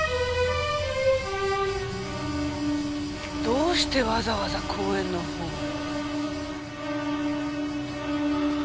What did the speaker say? どうしてわざわざ公園のほうへ？